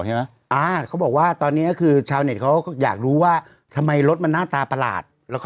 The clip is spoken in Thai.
ใช่ไหมอ่าเขาบอกว่าตอนนี้คือชาวเน็ตเขาอยากรู้ว่าทำไมรถมันหน้าตาประหลาด